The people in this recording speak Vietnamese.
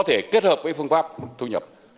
để kết hợp với phương pháp thu nhập